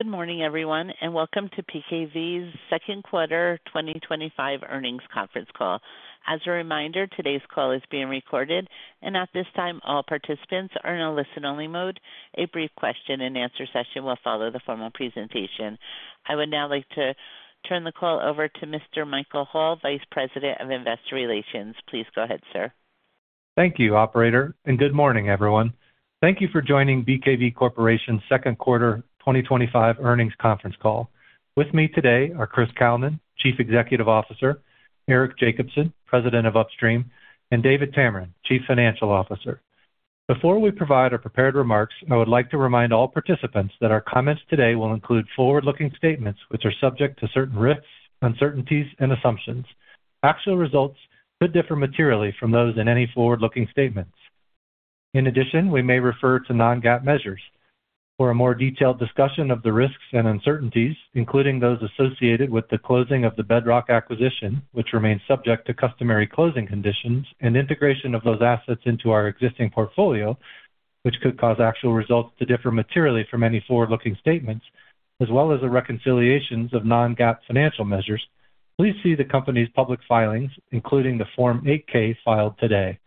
Good morning, everyone, and welcome to BKV Corporation's second quarter 2025 earnings conference call. As a reminder, today's call is being recorded, and at this time, all participants are in a listen-only mode. A brief question and answer session will follow the formal presentation. I would now like to turn the call over to Mr. Michael Hall, Vice President of Investor Relations. Please go ahead, sir. Thank you, Operator, and good morning, everyone. Thank you for joining BKV Corporation's second quarter 2025 earnings conference call. With me today are Chris Kalnin, Chief Executive Officer, Eric Jacobsen, President of Upstream, and David Tameron, Chief Financial Officer. Before we provide our prepared remarks, I would like to remind all participants that our comments today will include forward-looking statements, which are subject to certain risks, uncertainties, and assumptions. Actual results could differ materially from those in any forward-looking statements. In addition, we may refer to non-GAAP measures. For a more detailed discussion of the risks and uncertainties, including those associated with the closing of the Bedrock acquisition, which remains subject to customary closing conditions, and integration of those assets into our existing portfolio, which could cause actual results to differ materially from any forward-looking statements, as well as the reconciliations of non-GAAP financial measures, please see the company's public filings, including the Form 8-K filed today.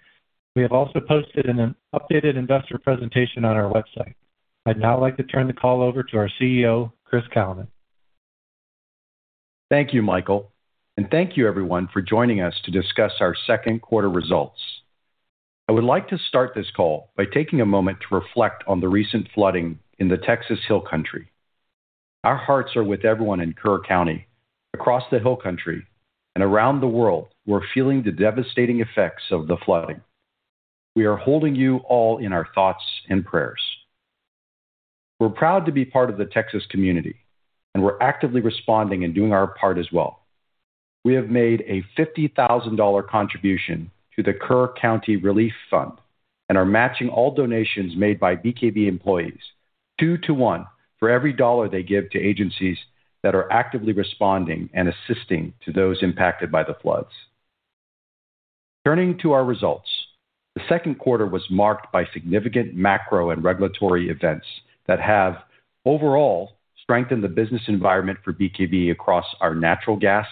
We have also posted an updated investor presentation on our website. I'd now like to turn the call over to our CEO, Chris Kalnin. Thank you, Michael, and thank you, everyone, for joining us to discuss our second quarter results. I would like to start this call by taking a moment to reflect on the recent flooding in the Texas Hill Country. Our hearts are with everyone in Kerr County. Across the Hill Country and around the world, we're feeling the devastating effects of the flooding. We are holding you all in our thoughts and prayers. We're proud to be part of the Texas community, and we're actively responding and doing our part as well. We have made a $50,000 contribution to the Kerr County Relief Fund and are matching all donations made by BKV employees two to one for every dollar they give to agencies that are actively responding and assisting those impacted by the floods. Turning to our results, the second quarter was marked by significant macro and regulatory events that have, overall, strengthened the business environment for BKV across our natural gas,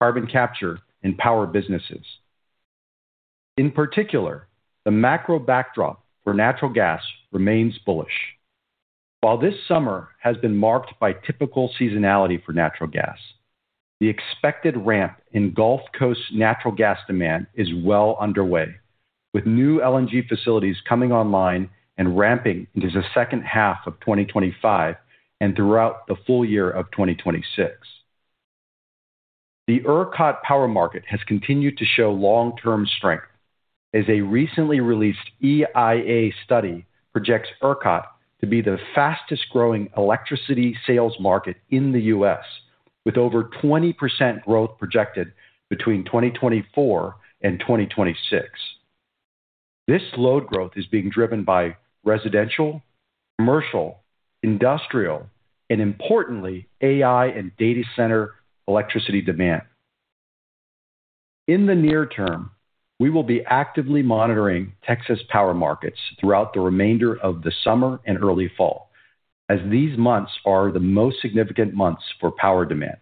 carbon capture, and power businesses. In particular, the macro backdrop for natural gas remains bullish. While this summer has been marked by typical seasonality for natural gas, the expected ramp in Gulf Coast natural gas demand is well underway, with new LNG facilities coming online and ramping into the second half of 2025 and throughout the full year of 2026. The ERCOT power market has continued to show long-term strength, as a recently released EIA study projects ERCOT to be the fastest-growing electricity sales market in the U.S., with over 20% growth projected between 2024 and 2026. This strong growth is being driven by residential, commercial, industrial, and importantly, AI and data center electricity demand. In the near term, we will be actively monitoring Texas power markets throughout the remainder of the summer and early fall, as these months are the most significant months for power demand.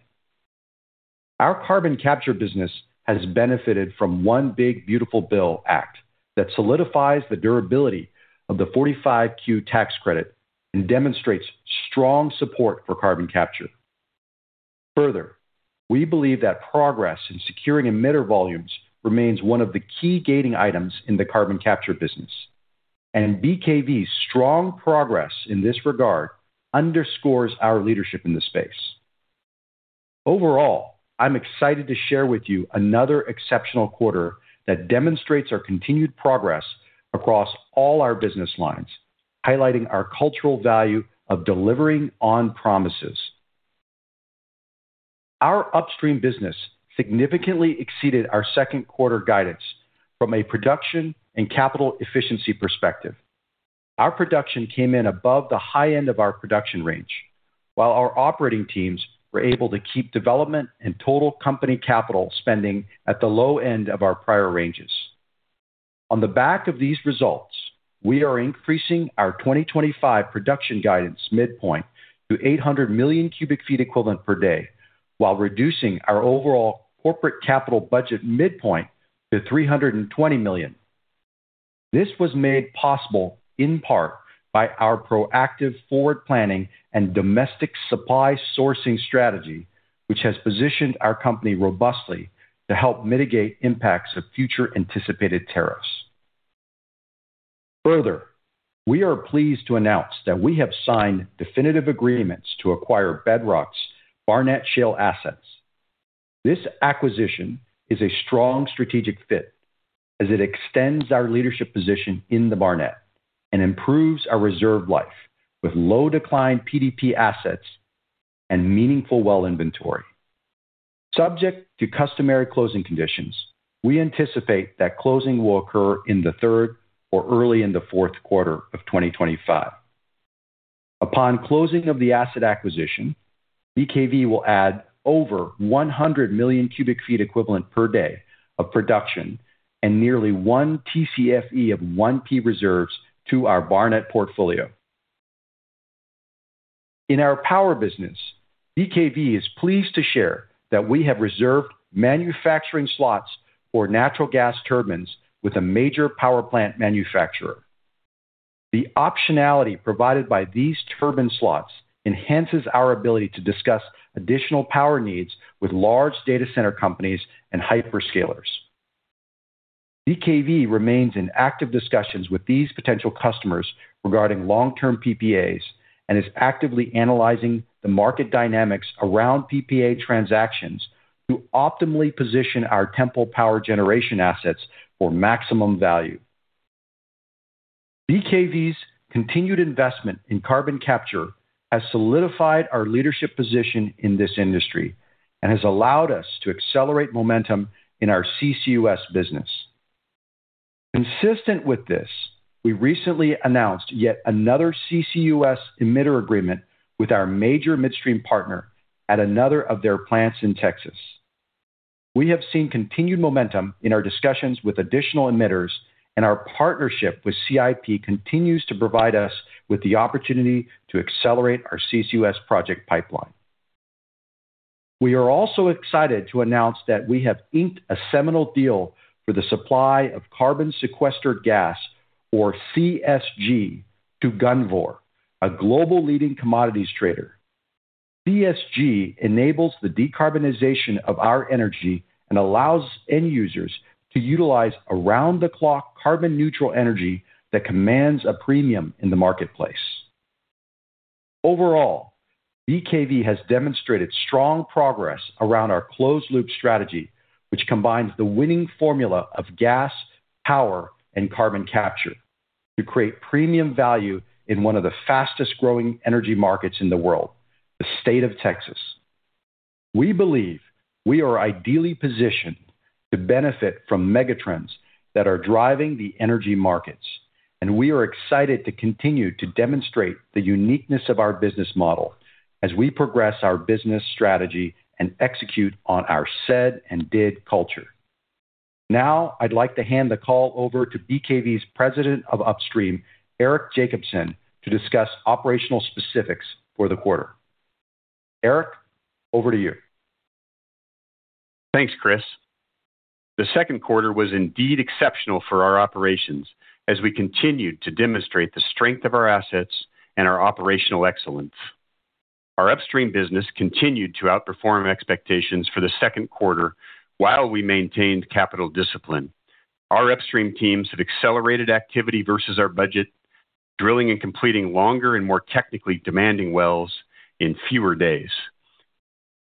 Our carbon capture business has benefited from the One Big Beautiful Bill Act that solidifies the durability of the 45Q tax credit and demonstrates strong support for carbon capture. Further, we believe that progress in securing emitter volumes remains one of the key gating items in the carbon capture business, and BKV's strong progress in this regard underscores our leadership in this space. Overall, I'm excited to share with you another exceptional quarter that demonstrates our continued progress across all our business lines, highlighting our cultural value of delivering on promises. Our Upstream business significantly exceeded our second quarter guidance from a production and capital efficiency perspective. Our production came in above the high end of our production range, while our operating teams were able to keep development and total company capital spending at the low end of our prior ranges. On the back of these results, we are increasing our 2025 production guidance midpoint to 800 million cubic feet equivalent per day, while reducing our overall corporate capital budget midpoint to $320 million. This was made possible in part by our proactive forward planning and domestic supply sourcing strategy, which has positioned our company robustly to help mitigate impacts of future anticipated tariffs. Further, we are pleased to announce that we have signed definitive agreements to acquire Bedrock Energy Partners' Barnett Shale assets. This acquisition is a strong strategic fit, as it extends our leadership position in the Barnett and improves our reserve life with low-decline PDP assets and meaningful well inventory. Subject to customary closing conditions, we anticipate that closing will occur in the third or early in the fourth quarter of 2025. Upon closing of the asset acquisition, BKV Corporation will add over 100 million cubic feet equivalent per day of production and nearly one TCFE of 1P reserves to our Barnett portfolio. In our power business, BKV Corporation is pleased to share that we have reserved manufacturing slots for natural gas turbines with a major power plant manufacturer. The optionality provided by these turbine slots enhances our ability to discuss additional power needs with large data center companies and hyperscalers. BKV Corporation remains in active discussions with these potential customers regarding long-term PPAs and is actively analyzing the market dynamics around PPA transactions to optimally position our Temple Complex Power Generation assets for maximum value. BKV Corporation's continued investment in carbon capture has solidified our leadership position in this industry and has allowed us to accelerate momentum in our CCUS business. Consistent with this, we recently announced yet another CCUS emitter agreement with our major midstream partner at another of their plants in Texas. We have seen continued momentum in our discussions with additional emitters, and our partnership with Copenhagen Infrastructure Partners continues to provide us with the opportunity to accelerate our CCUS project pipeline. We are also excited to announce that we have inked a seminal deal for the supply of carbon sequestered gas, or CSG, to Gunvor, a global leading commodities trader. CSG enables the decarbonization of our energy and allows end users to utilize around-the-clock carbon neutral energy that commands a premium in the marketplace. Overall, BKV has demonstrated strong progress around our closed loop strategy, which combines the winning formula of gas, power, and carbon capture to create premium value in one of the fastest-growing energy markets in the world, the state of Texas. We believe we are ideally positioned to benefit from megatrends that are driving the energy markets, and we are excited to continue to demonstrate the uniqueness of our business model as we progress our business strategy and execute on our said and did culture. Now, I'd like to hand the call over to BKV's President of Upstream, Eric Jacobsen, to discuss operational specifics for the quarter. Eric, over to you. Thanks, Chris. The second quarter was indeed exceptional for our operations as we continued to demonstrate the strength of our assets and our operational excellence. Our Upstream business continued to outperform expectations for the second quarter while we maintained capital discipline. Our Upstream teams have accelerated activity versus our budget, drilling and completing longer and more technically demanding wells in fewer days.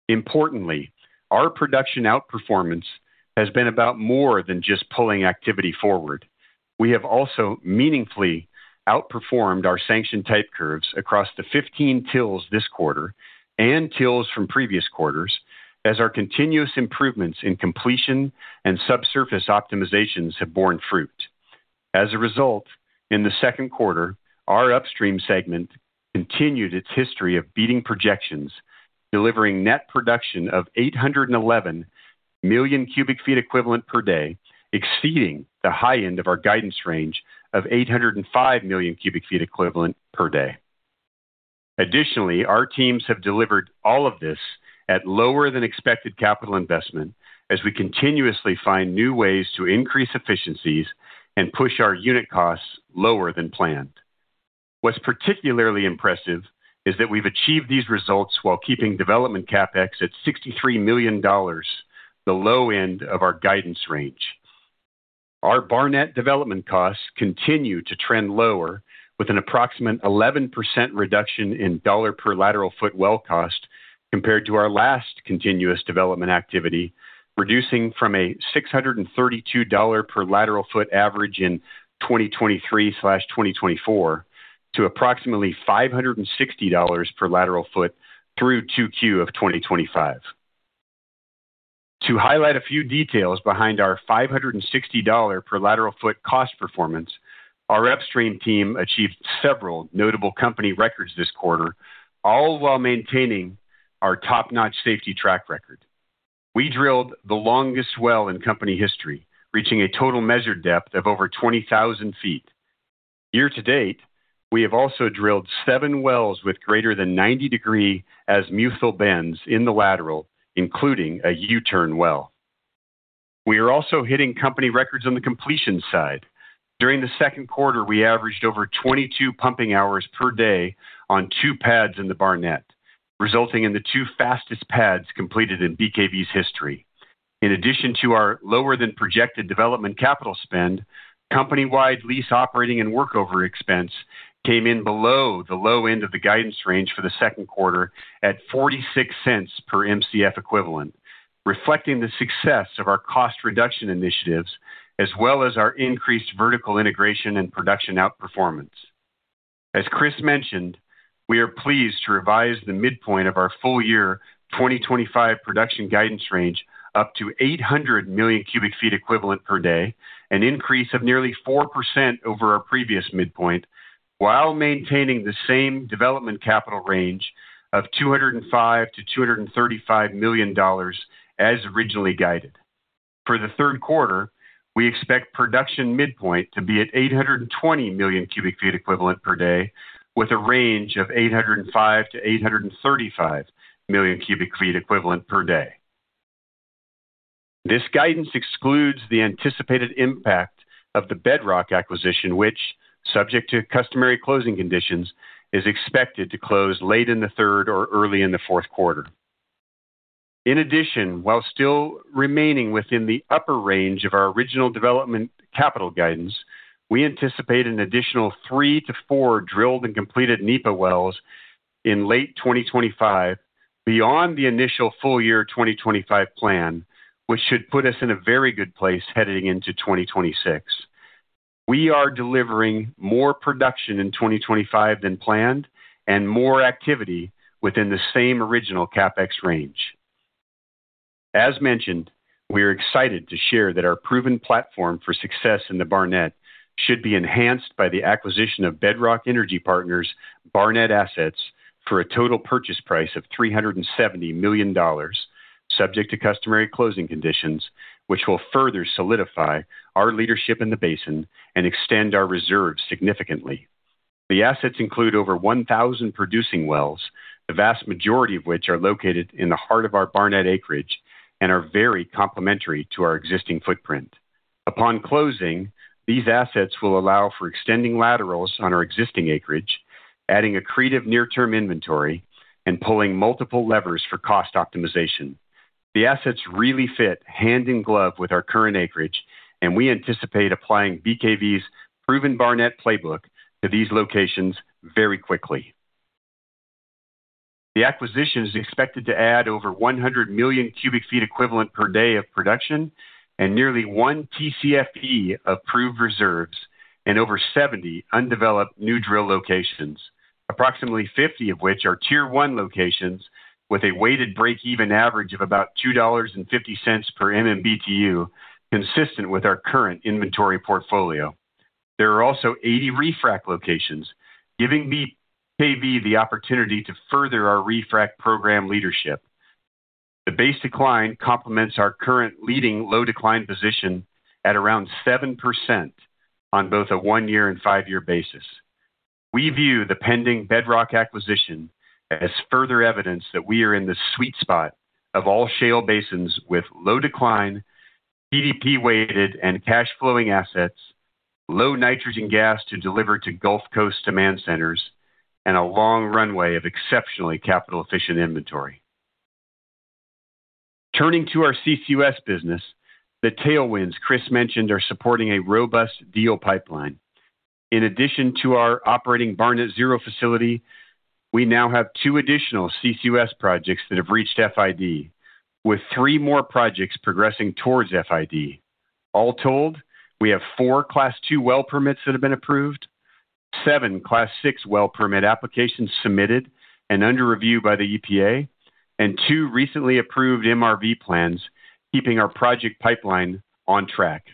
Importantly, our production outperformance has been about more than just pulling activity forward. We have also meaningfully outperformed our sanctioned type curves across the 15 tills this quarter and tills from previous quarters, as our continuous improvements in completion and subsurface optimizations have borne fruit. As a result, in the second quarter, our Upstream segment continued its history of beating projections, delivering net production of 811 million cubic feet equivalent per day, exceeding the high end of our guidance range of 805 million cubic feet equivalent per day. Additionally, our teams have delivered all of this at lower than expected capital investment as we continuously find new ways to increase efficiencies and push our unit costs lower than planned. What's particularly impressive is that we've achieved these results while keeping development CapEx at $63 million, the low end of our guidance range. Our Barnett development costs continue to trend lower, with an approximate 11% reduction in dollar per lateral foot well cost compared to our last continuous development activity, reducing from a $632 per lateral foot average in 2023/2024 to approximately $560 per lateral foot through Q2 of 2025. To highlight a few details behind our $560 per lateral foot cost performance, our Upstream team achieved several notable company records this quarter, all while maintaining our top-notch safety track record. We drilled the longest well in company history, reaching a total measured depth of over 20,000 feet. Year to date, we have also drilled seven wells with greater than 90° azimuthal bends in the lateral, including a U-turn well. We are also hitting company records on the completion side. During the second quarter, we averaged over 22 pumping hours per day on two pads in the Barnett, resulting in the two fastest pads completed in BKV's history. In addition to our lower than projected development capital spend, company-wide lease operating and workover expense came in below the low end of the guidance range for the second quarter at $0.46 per MCF equivalent, reflecting the success of our cost reduction initiatives as well as our increased vertical integration and production outperformance. As Chris mentioned, we are pleased to revise the midpoint of our full year 2025 production guidance range up to 800 million cubic feet equivalent per day, an increase of nearly 4% over our previous midpoint, while maintaining the same development capital range of $205 million-$235 million as originally guided. For the third quarter, we expect production midpoint to be at 820MMcfe/d, with a range of 805-835MMcfe/d. This guidance excludes the anticipated impact of the Bedrock acquisition, which, subject to customary closing conditions, is expected to close late in the third or early in the fourth quarter. In addition, while still remaining within the upper range of our original development capital guidance, we anticipate an additional three to four drilled and completed NEPA wells in late 2025 beyond the initial full-year 2025 plan, which should put us in a very good place heading into 2026. We are delivering more production in 2025 than planned and more activity within the same original CapEx range. As mentioned, we are excited to share that our proven platform for success in the Barnett should be enhanced by the acquisition of Bedrock Energy Partners' Barnett assets for a total purchase price of $370 million, subject to customary closing conditions, which will further solidify our leadership in the basin and extend our reserves significantly. The assets include over 1,000 producing wells, the vast majority of which are located in the heart of our Barnett acreage and are very complementary to our existing footprint. Upon closing, these assets will allow for extending laterals on our existing acreage, adding a creative near-term inventory, and pulling multiple levers for cost optimization. The assets really fit hand in glove with our current acreage, and we anticipate applying BKV's proven Barnett playbook to these locations very quickly. The acquisition is expected to add over 100 million cubic feet equivalent per day of production and nearly one TCFE of approved reserves in over 70 undeveloped new drill locations, approximately 50 of which are Tier 1 locations with a weighted break-even average of about $2.50 per MMBTU, consistent with our current inventory portfolio. There are also 80 refract locations, giving BKV the opportunity to further our refract program leadership. The base decline complements our current leading low-decline position at around 7% on both a one-year and five-year basis. We view the pending Bedrock acquisition as further evidence that we are in the sweet spot of all shale basins with low decline, PDP-weighted and cash-flowing assets, low nitrogen gas to deliver to Gulf Coast demand centers, and a long runway of exceptionally capital-efficient inventory. Turning to our CCUS business, the tailwinds Chris mentioned are supporting a robust deal pipeline. In addition to our operating Barnett Zero facility, we now have two additional CCUS projects that have reached FID, with three more projects progressing towards FID. All told, we have four Class 2 well permits that have been approved, seven Class 6 well permit applications submitted and under review by the EPA, and two recently approved MRV plans, keeping our project pipeline on track.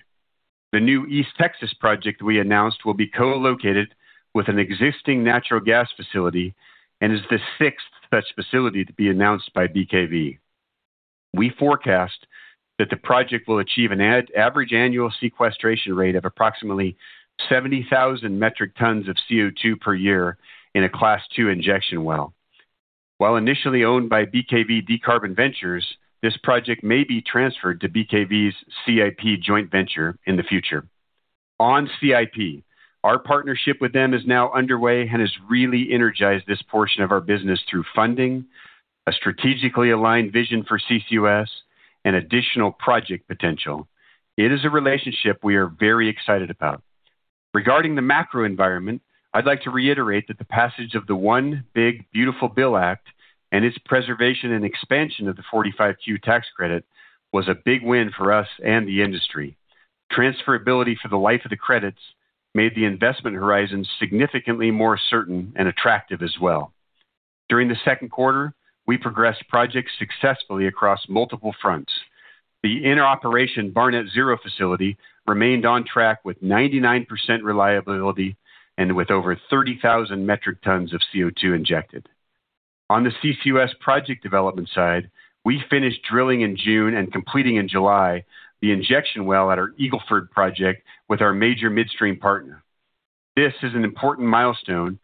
The new East Texas project we announced will be co-located with an existing natural gas facility and is the sixth such facility to be announced by BKV. We forecast that the project will achieve an average annual sequestration rate of approximately 70,000 metric tons of CO2 per year in a Class 2 injection well. While initially owned by BKV Decarbon Ventures, this project may be transferred to BKV's CIP joint venture in the future. On CIP, our partnership with them is now underway and has really energized this portion of our business through funding, a strategically aligned vision for CCUS, and additional project potential. It is a relationship we are very excited about. Regarding the macro environment, I'd like to reiterate that the passage of the One Big Beautiful Bill Act and its preservation and expansion of the 45Q tax credit was a big win for us and the industry. Transferability for the life of the credits made the investment horizon significantly more certain and attractive as well. During the second quarter, we progressed projects successfully across multiple fronts. The inner operation Barnett Zero facility remained on track with 99% reliability and with over 30,000 metric tons of CO2 injected. On the CCUS project development side, we finished drilling in June and completing in July the injection well at our Eagleford project with our major midstream partner. This is an important milestone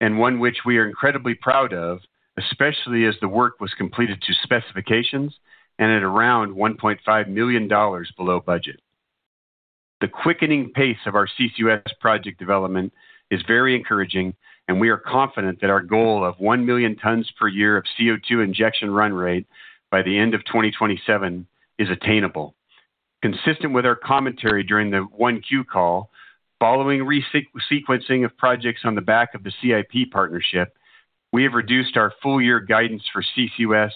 and one which we are incredibly proud of, especially as the work was completed to specifications and at around $1.5 million below budget. The quickening pace of our CCUS project development is very encouraging, and we are confident that our goal of 1 million tons per year of CO2 injection run rate by the end of 2027 is attainable. Consistent with our commentary during the 1Q call, following re-sequencing of projects on the back of the CIP partnership, we have reduced our full year guidance for CCUS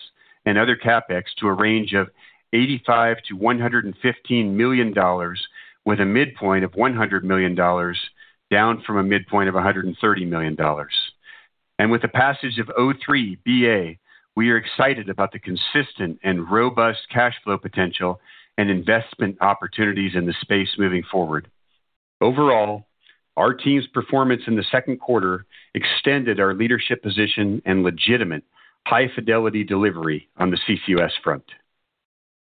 and other CapEx to a range of $85 million-$115 million, with a midpoint of $100 million, down from a midpoint of $130 million. With the passage of 03 BA, we are excited about the consistent and robust cash flow potential and investment opportunities in the space moving forward. Overall, our team's performance in the second quarter extended our leadership position and legitimate high-fidelity delivery on the CCUS front.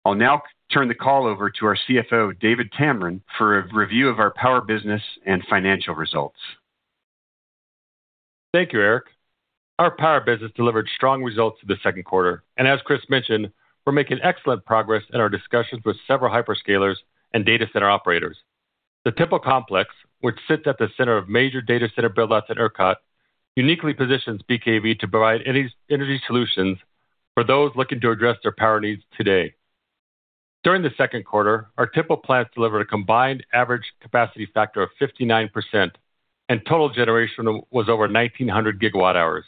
I'll now turn the call over to our CFO, David Tameron, for a review of our power business and financial results. Thank you, Eric. Our power business delivered strong results in the second quarter, and as Chris mentioned, we're making excellent progress in our discussions with several hyperscalers and data center operators. The Temple Complex, which sits at the center of major data center buildouts at ERCOT, uniquely positions BKV to provide energy solutions for those looking to address their power needs today. During the second quarter, our Temple plants delivered a combined average capacity factor of 59%, and total generation was over 1,900TWh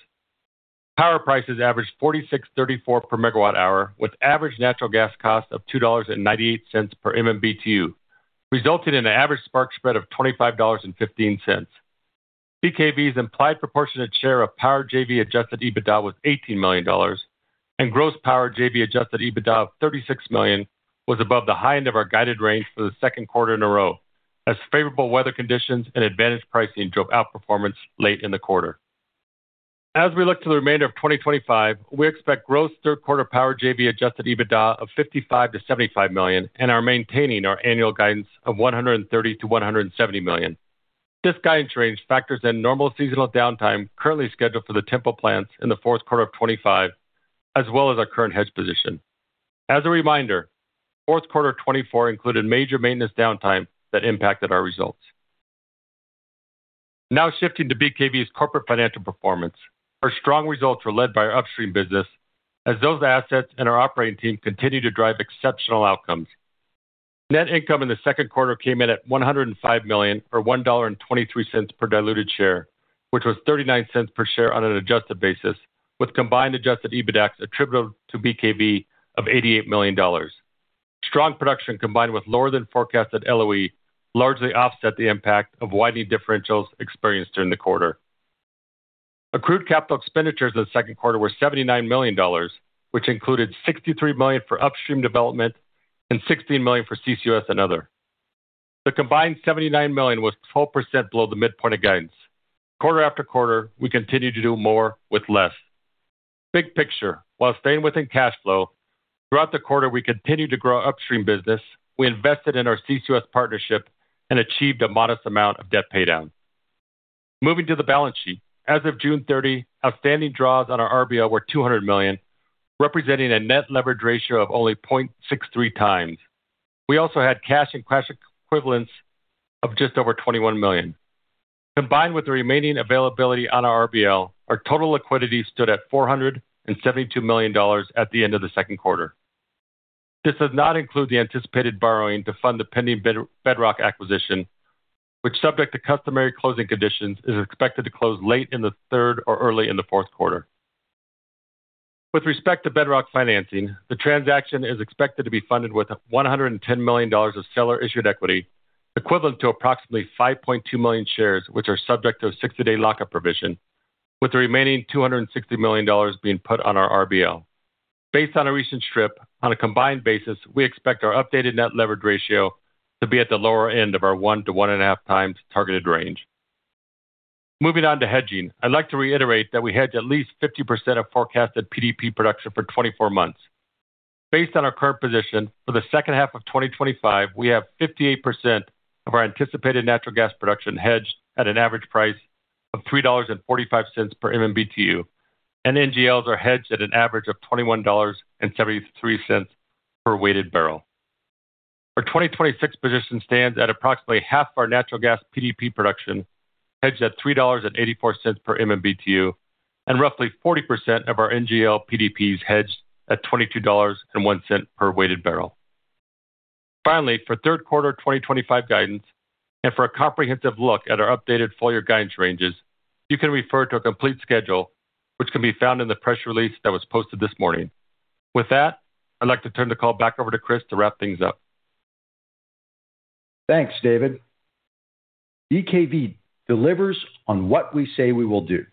Power prices averaged $46.3/MWh with average natural gas cost of $2.98/MMBTU, resulting in an average spark spread of $25.15. BKV's implied proportionate share of power JV adjusted EBITDA was $18 million, and gross power JV adjusted EBITDA of $36 million was above the high end of our guided range for the second quarter in a row, as favorable weather conditions and advantage pricing drove outperformance late in the quarter. As we look to the remainder of 2025, we expect gross third quarter power JV adjusted EBITDA of $55-$75 million and are maintaining our annual guidance of $130-$170 million. This guidance range factors in normal seasonal downtime currently scheduled for the Temple plants in the fourth quarter of 2025, as well as our current hedge position. As a reminder, fourth quarter 2024 included major maintenance downtime that impacted our results. Now shifting to BKV's corporate financial performance, our strong results were led by our Upstream business, as those assets and our operating team continue to drive exceptional outcomes. Net income in the second quarter came in at $105 million, or $1.23 per diluted share, which was $0.39 per share on an adjusted basis, with combined adjusted EBITDA attributable to BKV of $88 million. Strong production combined with lower than forecasted LOE largely offset the impact of widening differentials experienced during the quarter. Accrued capital expenditures in the second quarter were $79 million, which included $63 million for Upstream development and $16 million for CCUS and other. The combined $79 million was 12% below the midpoint of guidance. Quarter after quarter, we continue to do more with less. Big picture, while staying within cash flow, throughout the quarter we continued to grow Upstream business, we invested in our CCUS partnership and achieved a modest amount of debt paydown. Moving to the balance sheet, as of June 30, outstanding draws on our RBL were $200 million, representing a net leverage ratio of only 0.63 times. We also had cash and cash equivalents of just over $21 million. Combined with the remaining availability on our RBL, our total liquidity stood at $472 million at the end of the second quarter. This does not include the anticipated borrowing to fund the pending Bedrock acquisition, which, subject to customary closing conditions, is expected to close late in the third or early in the fourth quarter. With respect to Bedrock financing, the transaction is expected to be funded with $110 million of seller-issued equity, equivalent to approximately 5.2 million shares, which are subject to a 60-day lockup provision, with the remaining $260 million being put on our RBL. Based on a recent strip, on a combined basis, we expect our updated net leverage ratio to be at the lower end of our one to one and a half times targeted range. Moving on to hedging, I'd like to reiterate that we hedge at least 50% of forecasted PDP production for 24 months. Based on our current position for the second half of 2025, we have 58% of our anticipated natural gas production hedged at an average price of $3.45 per MMBTU, and NGLs are hedged at an average of $21.73 per weighted barrel. Our 2026 position stands at approximately half of our natural gas PDP production hedged at $3.84 per MMBTU, and roughly 40% of our NGL PDPs hedged at $22.01 per weighted barrel. Finally, for third quarter 2025 guidance and for a comprehensive look at our updated full year guidance ranges, you can refer to a complete schedule, which can be found in the press release that was posted this morning. With that, I'd like to turn the call back over to Chris to wrap things up. Thanks, David. BKV delivers on what we say we will do,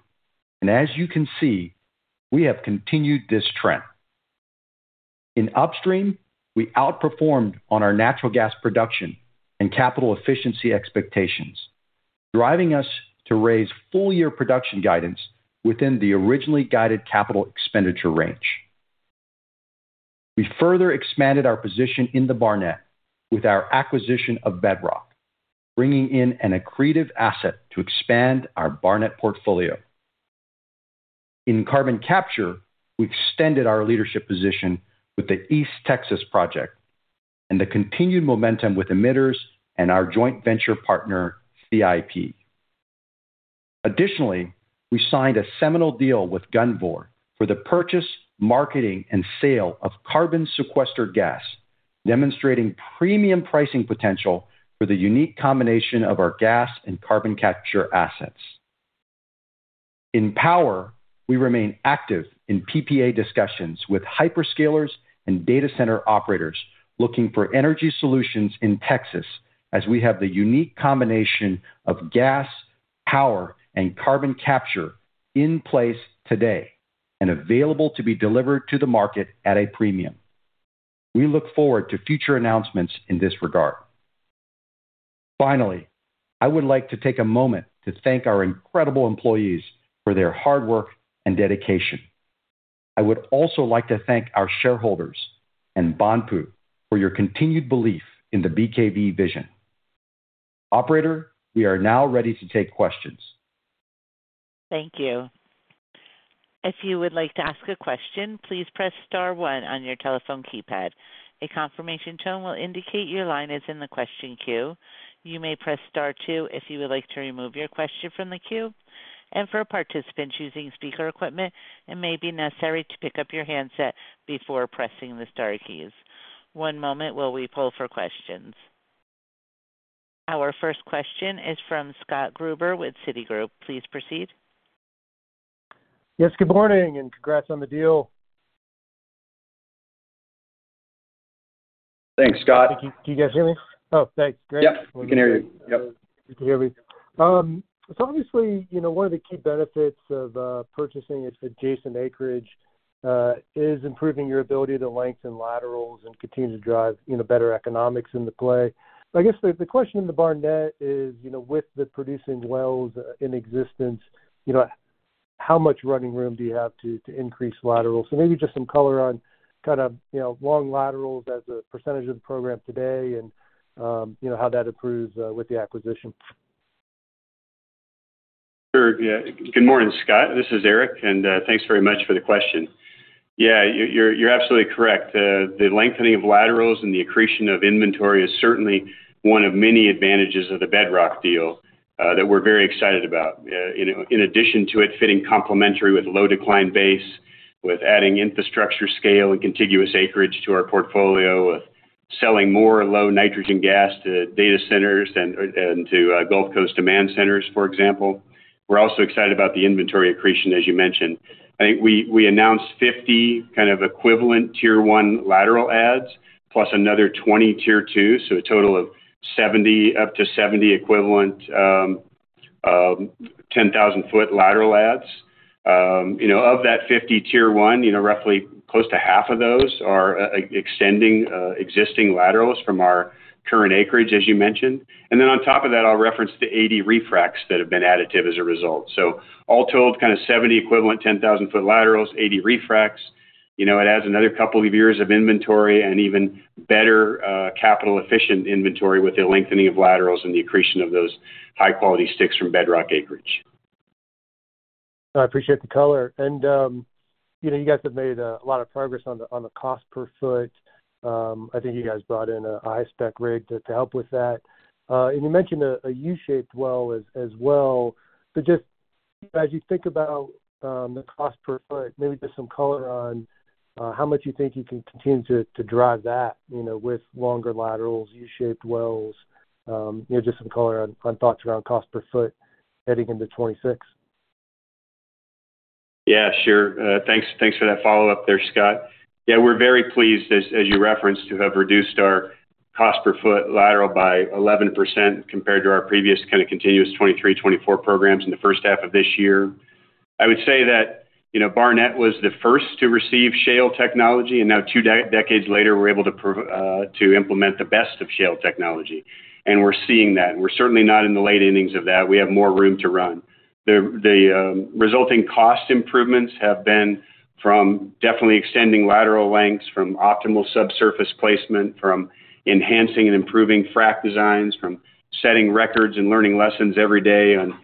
and as you can see, we have continued this trend. In Upstream, we outperformed on our natural gas production and capital efficiency expectations, driving us to raise full year production guidance within the originally guided capital expenditure range. We further expanded our position in the Barnett with our acquisition of Bedrock, bringing in an accretive asset to expand our Barnett portfolio. In carbon capture, we extended our leadership position with the East Texas project and the continued momentum with emitters and our joint venture partner, CIP. Additionally, we signed a seminal deal with Gunvor for the purchase, marketing, and sale of carbon sequestered gas, demonstrating premium pricing potential for the unique combination of our gas and carbon capture assets. In power, we remain active in PPA discussions with hyperscalers and data center operators looking for energy solutions in Texas, as we have the unique combination of gas, power, and carbon capture in place today and available to be delivered to the market at a premium. We look forward to future announcements in this regard. Finally, I would like to take a moment to thank our incredible employees for their hard work and dedication. I would also like to thank our shareholders and BANPU for your continued belief in the BKV vision. Operator, we are now ready to take questions. Thank you. If you would like to ask a question, please press star one on your telephone keypad. A confirmation tone will indicate your line is in the question queue. You may press star two if you would like to remove your question from the queue. For participants using speaker equipment, it may be necessary to pick up your handset before pressing the star keys. One moment while we pull for questions. Our first question is from Scott Gruber with Citigroup. Please proceed. Yes, good morning and congrats on the deal. Thanks, Scott. Thank you. Do you guys hear me? Oh, great. Yeah, we can hear you. Yep. Good to hear you. Obviously, you know, one of the key benefits of purchasing adjacent acreage is improving your ability to lengthen laterals and continue to drive, you know, better economics into play. I guess the question in the Barnett is, with the producing wells in existence, how much running room do you have to increase laterals? Maybe just some color on kind of, you know, long laterals as a % of the program today and, you know, how that improves with the acquisition. Sure. Yeah. Good morning, Scott. This is Eric, and thanks very much for the question. Yeah, you're absolutely correct. The lengthening of laterals and the accretion of inventory is certainly one of many advantages of the Bedrock deal that we're very excited about. In addition to it fitting complementary with low-decline base, with adding infrastructure scale and contiguous acreage to our portfolio, with selling more low nitrogen gas to data centers and to Gulf Coast demand centers, for example, we're also excited about the inventory accretion, as you mentioned. I think we announced 50 kind of equivalent Tier 1 lateral adds, plus another 20 Tier 2, so a total of 70/70 equivalent, 10,000-foot lateral adds. Of that 50 Tier 1, roughly close to half of those are extending existing laterals from our current acreage, as you mentioned. On top of that, I'll reference the 80 refracts that have been additive as a result. All told, kind of 70 equivalent 10,000-foot laterals, 80 refracts. It adds another couple of years of inventory and even better, capital-efficient inventory with the lengthening of laterals and the accretion of those high-quality sticks from Bedrock acreage. I appreciate the color. You guys have made a lot of progress on the cost per foot. I think you guys brought in an i-spec rig to help with that, and you mentioned a U-shaped well as well. Just, as you think about the cost per foot, maybe just some color on how much you think you can continue to drive that with longer laterals, U-shaped wells. Just some color on thoughts around cost per foot heading into 2026. Yeah, sure. Thanks for that follow-up there, Scott. We're very pleased, as you referenced, to have reduced our cost per foot lateral by 11% compared to our previous kind of continuous 2023, 2024 programs in the first half of this year. I would say that Barnett was the first to receive shale technology, and now two decades later, we're able to implement the best of shale technology. We're seeing that, and we're certainly not in the late innings of that. We have more room to run. The resulting cost improvements have been from definitely extending lateral lengths, from optimal subsurface placement, from enhancing and improving frac designs, from setting records and learning lessons every day on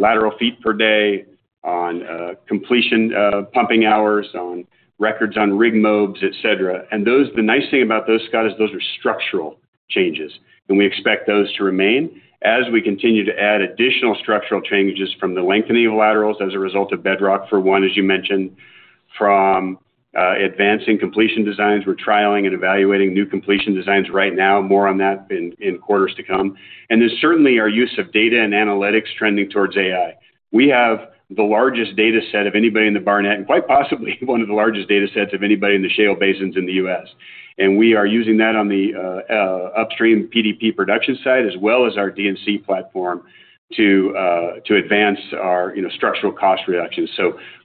lateral feet per day, on completion, pumping hours, on records on rig mobs, et cetera. The nice thing about those, Scott, is those are structural changes. We expect those to remain as we continue to add additional structural changes from the lengthening of laterals as a result of Bedrock for one, as you mentioned, from advancing completion designs. We're trialing and evaluating new completion designs right now, more on that in quarters to come. Certainly our use of data and analytics trending towards AI. We have the largest data set of anybody in the Barnett and quite possibly one of the largest data sets of anybody in the shale basins in the U.S. We are using that on the Upstream PDP production side, as well as our DNC platform to advance our structural cost reductions.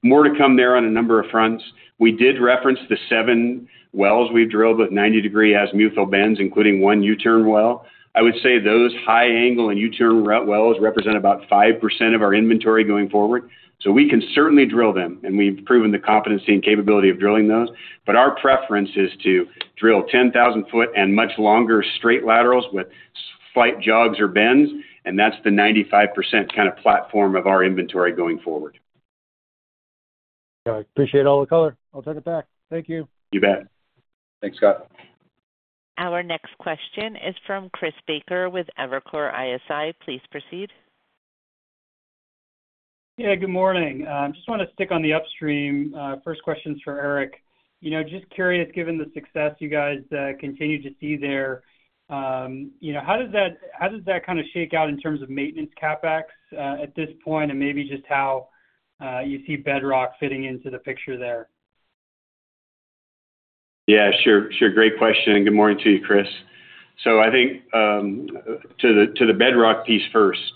More to come there on a number of fronts. We did reference the seven wells we've drilled with 90° azimuthal bends, including one U-turn well. I would say those high angle and U-turn wells represent about 5% of our inventory going forward. We can certainly drill them, and we've proven the competency and capability of drilling those. Our preference is to drill 10,000-foot and much longer straight laterals with slight jogs or bends, and that's the 95% kind of platform of our inventory going forward. Yeah, I appreciate all the color. I'll take it back. Thank you. You bet. Thanks, Scott. Our next question is from Chris Baker with Evercore ISI. Please proceed. Yeah, good morning. I just want to stick on the Upstream. First question's for Eric. You know, just curious, given the success you guys continue to see there, how does that kind of shake out in terms of maintenance CapEx at this point and maybe just how you see Bedrock fitting into the picture there? Yeah, sure. Great question. Good morning to you, Chris. I think, to the Bedrock piece first,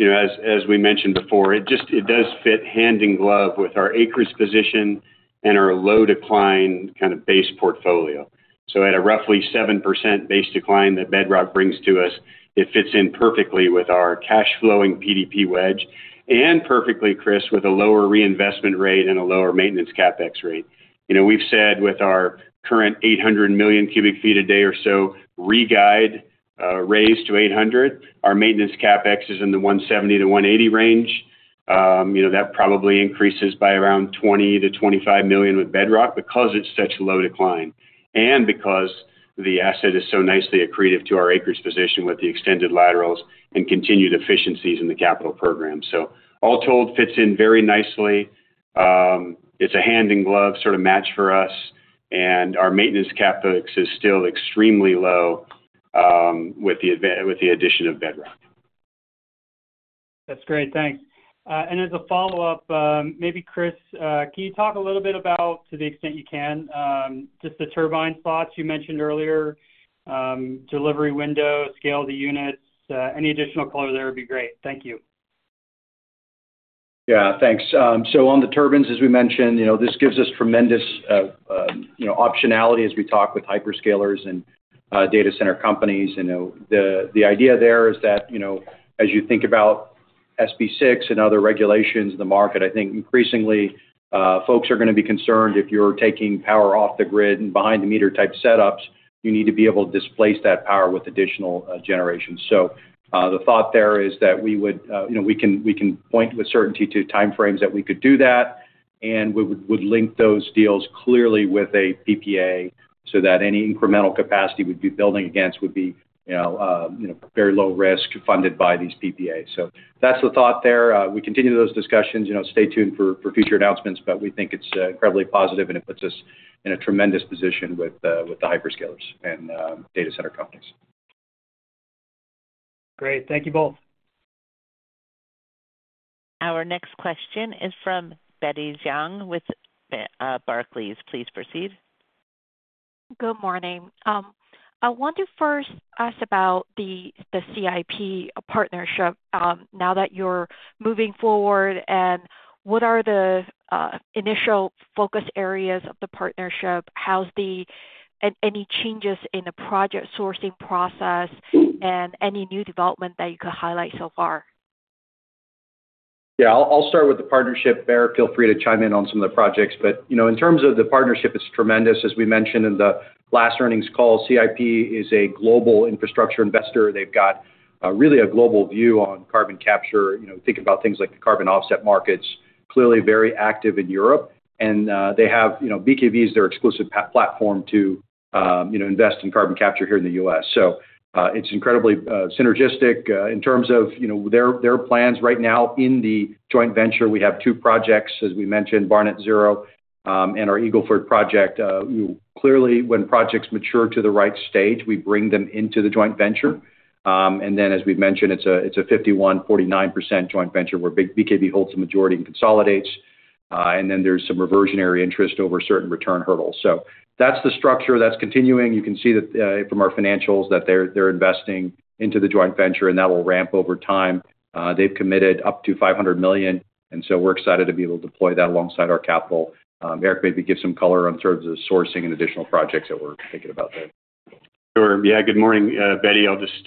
as we mentioned before, it does fit hand in glove with our acreage position and our low-decline kind of base portfolio. At a roughly 7% base decline that Bedrock brings to us, it fits in perfectly with our cash-flowing PDP wedge and perfectly, Chris, with a lower reinvestment rate and a lower maintenance CapEx rate. We've said with our current 800 million cubic feet a day or so re-guide, raised to 800, our maintenance CapEx is in the $170-$180 million range. That probably increases by around $20-$25 million with Bedrock because it's such a low decline and because the asset is so nicely accretive to our acreage position with the extended laterals and continued efficiencies in the capital program. All told, fits in very nicely. It's a hand-in-glove sort of match for us, and our maintenance CapEx is still extremely low with the addition of Bedrock. That's great. Thanks. As a follow-up, maybe Chris, can you talk a little bit about, to the extent you can, just the turbine slots you mentioned earlier, delivery window, scale the units, any additional color there would be great. Thank you. Yeah, thanks. On the turbines, as we mentioned, this gives us tremendous optionality as we talk with hyperscalers and data center companies. The idea there is that, as you think about SB6 and other regulations in the market, I think increasingly, folks are going to be concerned if you're taking power off the grid and behind-the-meter type setups, you need to be able to displace that power with additional generation. The thought there is that we can point with certainty to timeframes that we could do that, and we would link those deals clearly with a PPA so that any incremental capacity we'd be building against would be very low risk, funded by these PPAs. That's the thought there. We continue those discussions. Stay tuned for future announcements, but we think it's incredibly positive, and it puts us in a tremendous position with the hyperscalers and data center companies. Great. Thank you both. Our next question is from Betty Jiang with Barclays. Please proceed. Good morning. I want to first ask about the CIP partnership, now that you're moving forward, and what are the initial focus areas of the partnership? How's the, and any changes in the project sourcing process and any new development that you could highlight so far? I'll start with the partnership there. Feel free to chime in on some of the projects. In terms of the partnership, it's tremendous. As we mentioned in the last earnings call, CIP is a global infrastructure investor. They've got really a global view on carbon capture, thinking about things like the carbon offset markets, clearly very active in Europe. They have BKV as their exclusive platform to invest in carbon capture here in the U.S. It's incredibly synergistic in terms of their plans right now in the joint venture. We have two projects, as we mentioned, Barnett Zero and our Eagleford project. Clearly, when projects mature to the right stage, we bring them into the joint venture. As we mentioned, it's a 51%, 49% joint venture where BKV holds the majority and consolidates. There is some reversionary interest over certain return hurdles. That's the structure that's continuing. You can see from our financials that they're investing into the joint venture, and that will ramp over time. They've committed up to $500 million, and we're excited to be able to deploy that alongside our capital. Eric, maybe give some color on the sourcing and additional projects that we're thinking about there. Sure. Good morning, Betty. I'll just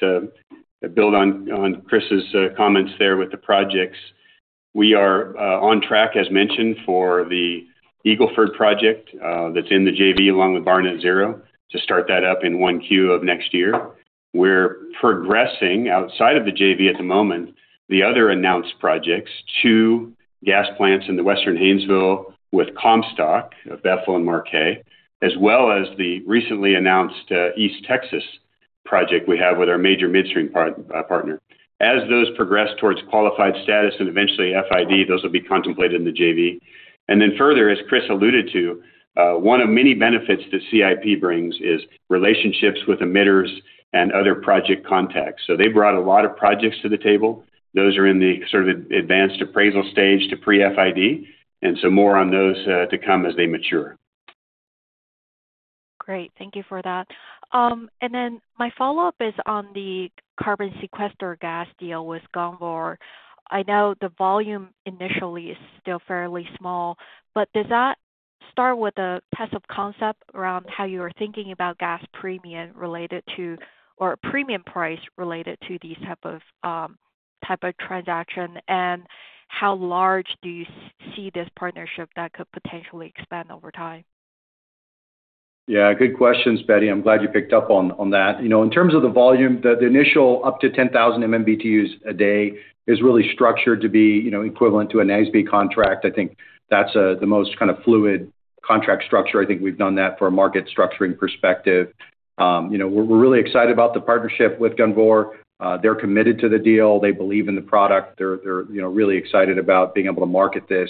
build on Chris's comments there with the projects. We are on track, as mentioned, for the Eagleford project that's in the JV along with Barnett Zero to start that up in 1Q of next year. We're progressing outside of the JV at the moment, the other announced projects, two gas plants in the Western Hainesville with Comstock, Bethel and Marques, as well as the recently announced East Texas project we have with our major midstream partner. As those progress towards qualified status and eventually FID, those will be contemplated in the JV. Further, as Chris alluded to, one of many benefits that CIP brings is relationships with emitters and other project contacts. They brought a lot of projects to the table. Those are in the sort of advanced appraisal stage to pre-FID, and more on those to come as they mature. Great. Thank you for that. My follow-up is on the carbon sequestered gas deal with Gunvor. I know the volume initially is still fairly small, but does that start with a test of concept around how you are thinking about gas premium related to or premium price related to these types of transactions? How large do you see this partnership that could potentially expand over time? Yeah, good questions, Betty. I'm glad you picked up on that. In terms of the volume, the initial up to 10,000 MMBTUs a day is really structured to be equivalent to an ASB contract. I think that's the most kind of fluid contract structure. I think we've done that from a market structuring perspective. We're really excited about the partnership with Gunvor. They're committed to the deal. They believe in the product. They're really excited about being able to market this.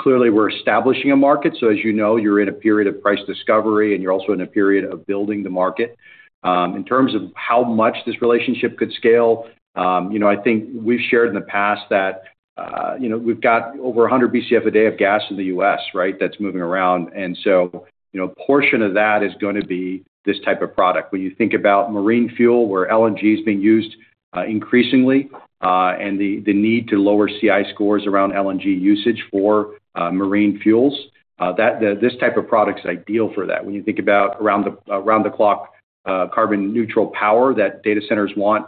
Clearly, we're establishing a market. As you know, you're in a period of price discovery, and you're also in a period of building the market. In terms of how much this relationship could scale, I think we've shared in the past that we've got over 100 BCF a day of gas in the U.S., right, that's moving around. A portion of that is going to be this type of product. When you think about marine fuel where LNG is being used increasingly, and the need to lower CI scores around LNG usage for marine fuels, this type of product is ideal for that. When you think about around-the-clock carbon neutral power that data centers want,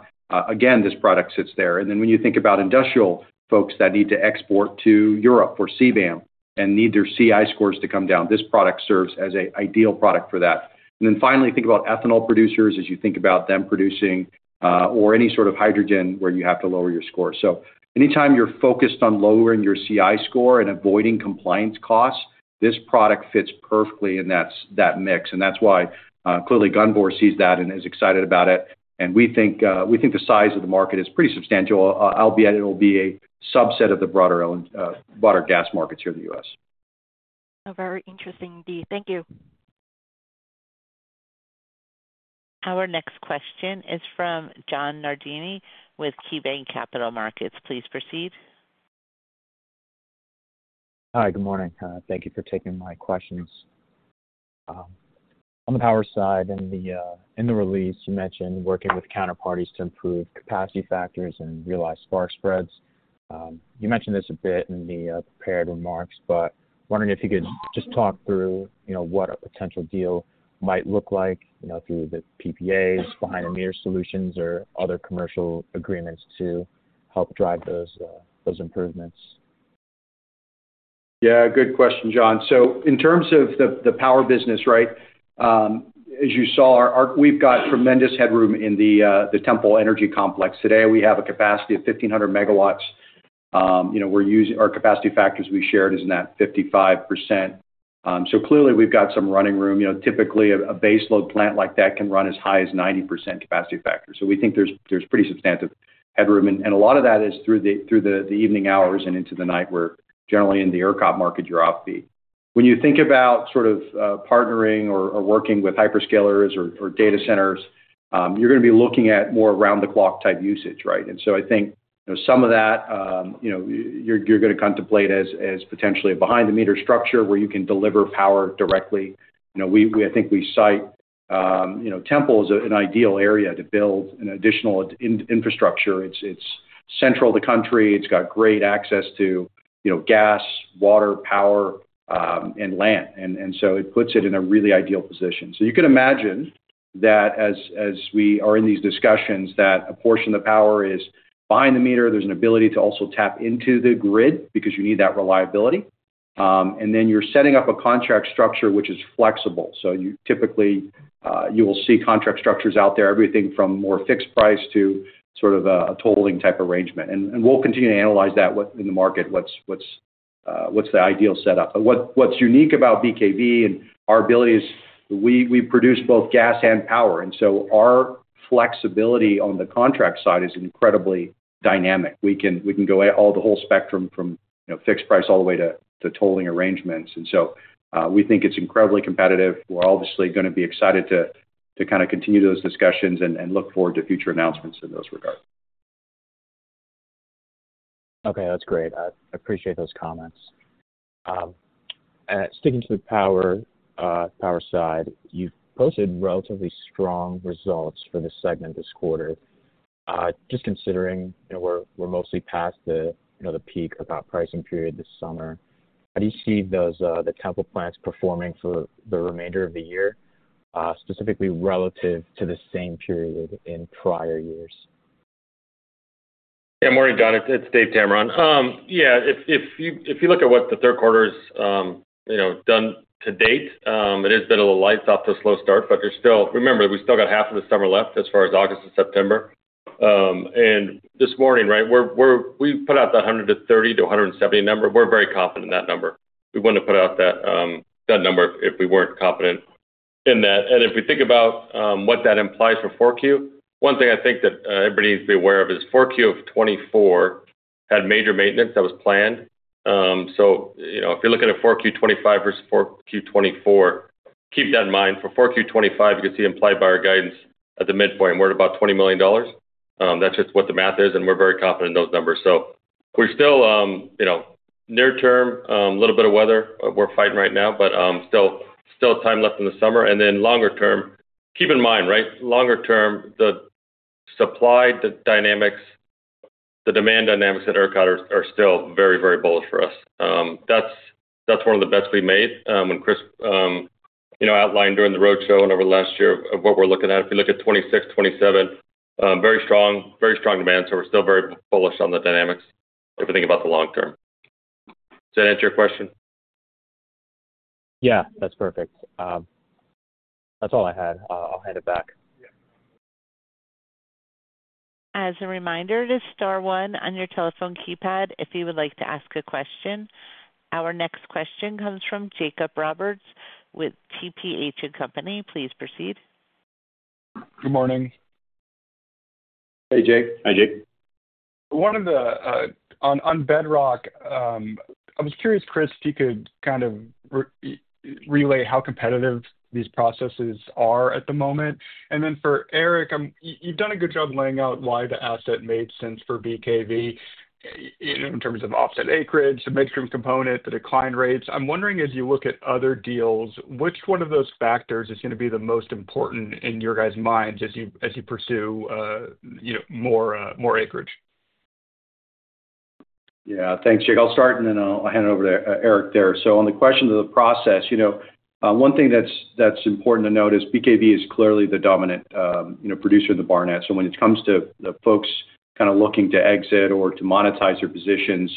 again, this product sits there. When you think about industrial folks that need to export to Europe or CBAM and need their CI scores to come down, this product serves as an ideal product for that. Finally, think about ethanol producers as you think about them producing, or any sort of hydrogen where you have to lower your score. Anytime you're focused on lowering your CI score and avoiding compliance costs, this product fits perfectly in that mix. That's why, clearly, Gunvor sees that and is excited about it. We think the size of the market is pretty substantial, albeit it'll be a subset of the broader gas markets here in the U.S. A very interesting deed. Thank you. Our next question is from John Jimenez with KeyBanc Capital Markets. Please proceed. Hi, good morning. Thank you for taking my questions. On the power side, in the release, you mentioned working with counterparties to improve capacity factors and realize spark spreads. You mentioned this a bit in the prepared remarks, but wondering if you could just talk through what a potential deal might look like, you know, through the PPAs, behind-the-meter solutions, or other commercial agreements to help drive those improvements. Yeah, good question, John. In terms of the power business, as you saw, we've got tremendous headroom in the Temple Complex today. We have a capacity of 1,500MW We're using our capacity factors we shared is in that 55%. Clearly, we've got some running room. Typically, a baseload plant like that can run as high as 90% capacity factor. We think there's pretty substantive headroom. A lot of that is through the evening hours and into the night where generally in the ERCOT market, you're offbeat. When you think about partnering or working with hyperscalers or data centers, you're going to be looking at more around-the-clock type usage, right? I think some of that, you're going to contemplate as potentially a behind-the-meter structure where you can deliver power directly. I think we cite Temple as an ideal area to build additional infrastructure. It's central to the country. It's got great access to gas, water, power, and land. It puts it in a really ideal position. You can imagine that as we are in these discussions, a portion of the power is behind the meter. There's an ability to also tap into the grid because you need that reliability, and then you're setting up a contract structure, which is flexible. Typically, you will see contract structures out there, everything from more fixed price to a tolling type arrangement. We'll continue to analyze that in the market, what's the ideal setup. What's unique about BKV and our ability is we produce both gas and power. Our flexibility on the contract side is incredibly dynamic. We can go the whole spectrum from fixed price all the way to tolling arrangements. We think it's incredibly competitive. We're obviously going to be excited to continue those discussions and look forward to future announcements in those regards. Okay, that's great. I appreciate those comments. Sticking to the power side, you've posted relatively strong results for this segment this quarter. Just considering, you know, we're mostly past the peak power pricing period this summer. How do you see those, the Temple plants performing for the remainder of the year, specifically relative to the same period in prior years? Yeah, morning, John. It's David Tameron. If you look at what the third quarter's done to date, it has been a little light. It's off to a slow start, but remember, we still got half of the summer left as far as August and September. This morning, we put out that $130 million-$170 million number. We're very confident in that number. We wouldn't have put out that number if we weren't confident in that. If we think about what that implies for 4Q, one thing I think that everybody needs to be aware of is 4Q 2024 had major maintenance that was planned. If you're looking at 4Q 2025 versus 4Q 2024, keep that in mind. For 4Q 2025, you can see it implied by our guidance at the midpoint. We're at about $20 million. That's just what the math is, and we're very confident in those numbers. We're still, near term, a little bit of weather we're fighting right now, but still time left in the summer. Longer term, keep in mind, the supply dynamics, the demand dynamics at ERCOT are still very, very bullish for us. That's one of the bets we made when Chris outlined during the roadshow last year what we're looking at. If you look at 2026, 2027, very strong, very strong demand. We're still very bullish on the dynamics if you think about the long term. Does that answer your question? Yeah, that's perfect. That's all I had. I'll hand it back. As a reminder, press star one on your telephone keypad if you would like to ask a question. Our next question comes from Jacob Roberts with BKV Corporation. Please proceed. Good morning. Hey, Jake. Hi, Jake. On Bedrock, I was curious, Chris, if you could kind of relay how competitive these processes are at the moment. For Eric, you've done a good job laying out why the asset made sense for BKV, you know, in terms of offset acreage, the midstream component, the decline rates. I'm wondering, as you look at other deals, which one of those factors is going to be the most important in your guys' minds as you pursue more acreage? Yeah, thanks, Jake. I'll start, and then I'll hand it over to Eric there. On the question of the process, one thing that's important to note is BKV is clearly the dominant producer in the Barnett. When it comes to the folks looking to exit or to monetize their positions,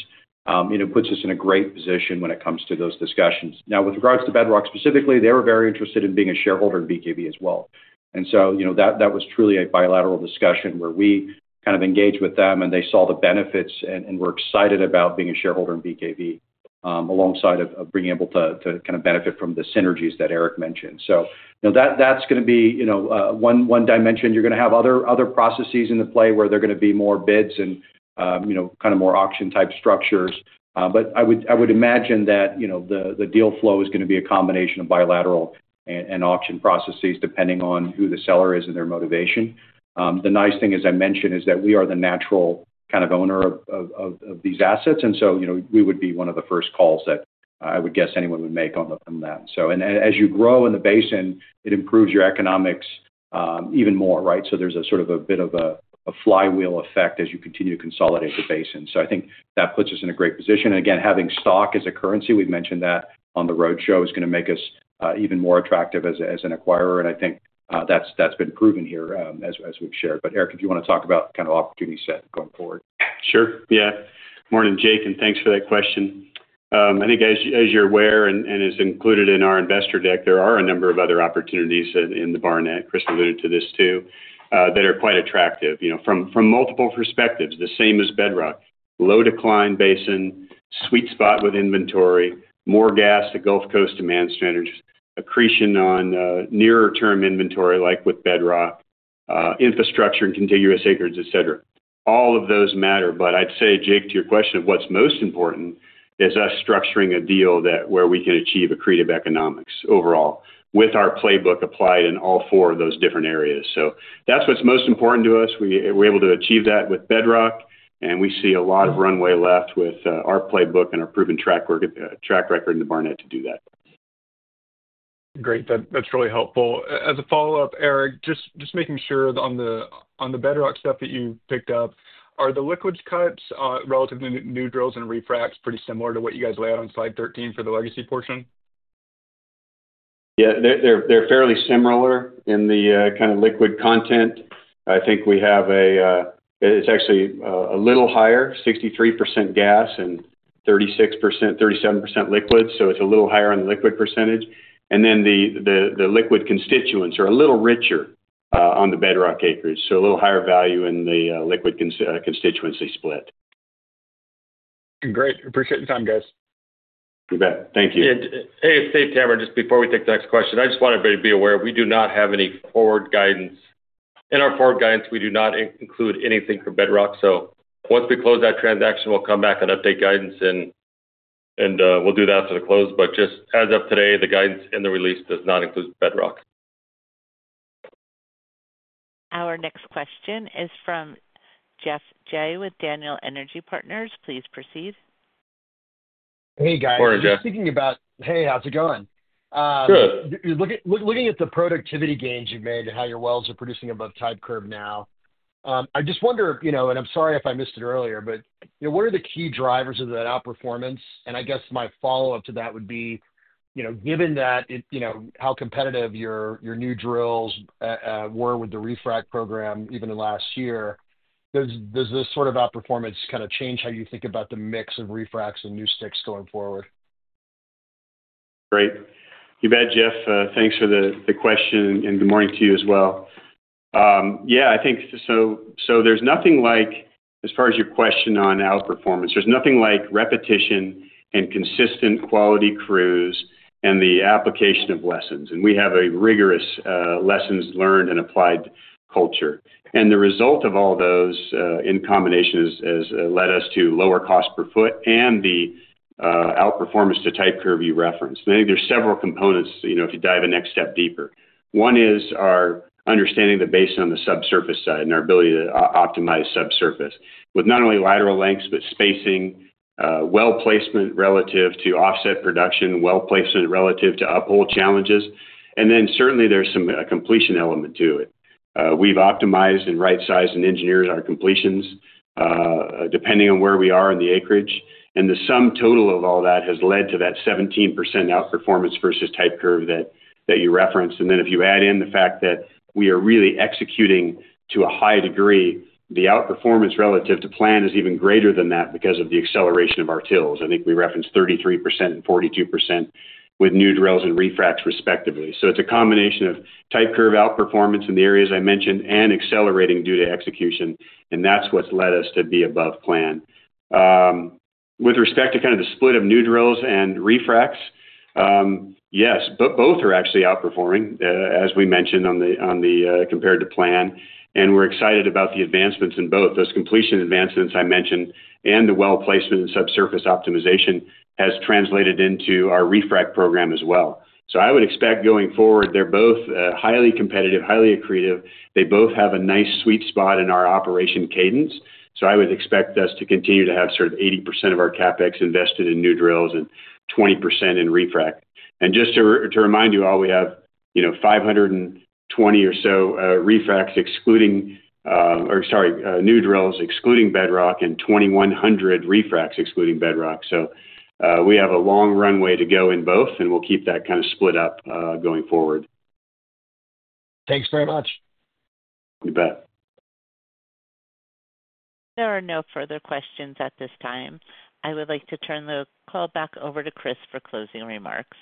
it puts us in a great position when it comes to those discussions. Now, with regards to Bedrock specifically, they were very interested in being a shareholder in BKV as well. That was truly a bilateral discussion where we engaged with them, and they saw the benefits and were excited about being a shareholder in BKV, alongside being able to benefit from the synergies that Eric mentioned. That's going to be one dimension. You're going to have other processes into play where there are going to be more bids and more auction type structures. I would imagine that the deal flow is going to be a combination of bilateral and auction processes depending on who the seller is and their motivation. The nice thing, as I mentioned, is that we are the natural kind of owner of these assets. We would be one of the first calls that I would guess anyone would make on that. As you grow in the basin, it improves your economics even more, right? There's a sort of a bit of a flywheel effect as you continue to consolidate the basin. I think that puts us in a great position. Having stock as a currency, we've mentioned that on the roadshow, is going to make us even more attractive as an acquirer. I think that's been proven here, as we've shared. Eric, if you want to talk about the opportunity set going forward. Sure. Yeah. Morning, Jake, and thanks for that question. I think as you're aware and as is included in our investor deck, there are a number of other opportunities in the Barnett. Chris alluded to this too, that are quite attractive, you know, from multiple perspectives, the same as Bedrock. Low-decline basin, sweet spot with inventory, more gas at Gulf Coast demand centers, accretion on nearer-term inventory, like with Bedrock, infrastructure and contiguous acreage, et cetera. All of those matter. I'd say, Jake, to your question of what's most important is us structuring a deal where we can achieve accretive economics overall with our playbook applied in all four of those different areas. That's what's most important to us. We're able to achieve that with Bedrock, and we see a lot of runway left with our playbook and our proven track record in the Barnett to do that. Great. That's really helpful. As a follow-up, Eric, just making sure that on the Bedrock stuff that you picked up, are the liquids cuts, relative to the new drills and refracts, pretty similar to what you guys lay out on slide 13 for the legacy portion? Yeah, they're fairly similar in the kind of liquid content. I think we have a, it's actually a little higher, 63% gas and 36%, 37% liquid. It's a little higher on the liquid percentage. The liquid constituents are a little richer on the Bedrock acreage, so a little higher value in the liquid constituency split. Great. Appreciate your time, guys. You bet. Thank you. It's Dave Tameron. Just before we take the next question, I just want to be aware, we do not have any forward guidance. In our forward guidance, we do not include anything for Bedrock. Once we close that transaction, we'll come back and update guidance, and we'll do that for the close. Just as of today, the guidance in the release does not include Bedrock. Our next question is from Jeff Jay with Daniel Energy Partners. Please proceed. Hey, guys. Morning, Jeff. Just thinking about, how's it going? Good. Looking at the productivity gains you've made and how your wells are producing above type curve now, I just wonder, you know, and I'm sorry if I missed it earlier, but you know, what are the key drivers of that outperformance? I guess my follow-up to that would be, you know, given that, you know, how competitive your new drills were with the refract program even in last year, does this sort of outperformance kind of change how you think about the mix of refracts and new sticks going forward? Great. You bet, Jeff. Thanks for the question and good morning to you as well. Yeah, I think so, there's nothing like, as far as your question on outperformance, there's nothing like repetition and consistent quality crews and the application of lessons. We have a rigorous, lessons learned and applied culture. The result of all those, in combination, has led us to lower cost per foot and the outperformance to tide curve you referenced. I think there's several components, you know, if you dive a next step deeper. One is our understanding of the basin on the subsurface side and our ability to optimize subsurface with not only lateral lengths, but spacing, well placement relative to offset production, well placement relative to uphold challenges. Certainly, there's some completion element to it. We've optimized and right-sized and engineered our completions, depending on where we are in the acreage. The sum total of all that has led to that 17% outperformance versus tide curve that you referenced. If you add in the fact that we are really executing to a high degree, the outperformance relative to plan is even greater than that because of the acceleration of our tills. I think we referenced 33% and 42% with new drills and refracts respectively. It's a combination of tide curve outperformance in the areas I mentioned and accelerating due to execution. That's what's led us to be above plan. With respect to the split of new drills and refracts, yes, both are actually outperforming, as we mentioned compared to plan. We're excited about the advancements in both. Those completion advancements I mentioned and the well placement and subsurface optimization has translated into our refract program as well. I would expect going forward, they're both highly competitive, highly accretive. They both have a nice sweet spot in our operation cadence. I would expect us to continue to have sort of 80% of our CapEx invested in new drills and 20% in refract. Just to remind you all, we have, you know, 520 or so new drills excluding Bedrock Energy Partners and 2,100 refracs excluding Bedrock Energy Partners. We have a long runway to go in both, and we'll keep that kind of split up going forward. Thanks very much. You bet. There are no further questions at this time. I would like to turn the call back over to Chris for closing remarks.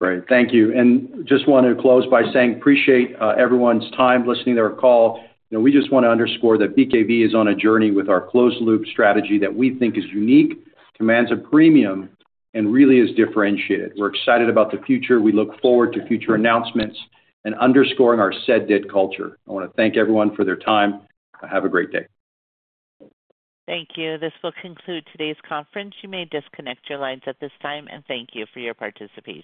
Great. Thank you. I just want to close by saying appreciate everyone's time listening to our call. We just want to underscore that BKV Corporation is on a journey with our closed loop strategy that we think is unique, commands a premium, and really is differentiated. We're excited about the future. We look forward to future announcements and underscoring our said-bit culture. I want to thank everyone for their time. Have a great day. Thank you. This will conclude today's conference. You may disconnect your lines at this time, and thank you for your participation.